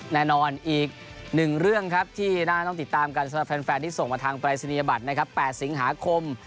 แน่นอนอีกหนึ่งเรื่องครับที่น่าต้องติดตามกันสำหรับแฟนที่ส่งมาทางปรายศนียบัตรนะครับ๘สิงหาคม